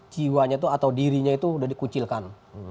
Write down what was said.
jiwanya itu atau dirinya itu sudah dikucilkan